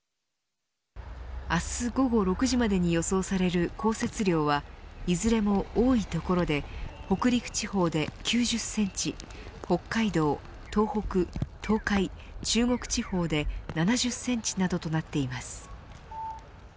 明日午後６時までに予想される降雪量はいずれも多い所で北陸地方で９０センチ北海道、東北東海、中国地方で７０センチなどとなっています。